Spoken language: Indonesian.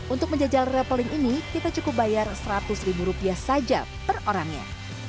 untuk menjajal rappelling ini kita cukup bayar seratus ribu rupiah saja per orangnya